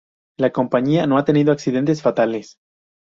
La compañía no ha tenido accidentes fatales.